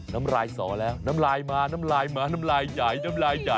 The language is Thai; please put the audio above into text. น้ำลายสอแล้วน้ำลายมาน้ำลายมาน้ำลายใหญ่น้ำลายใหญ่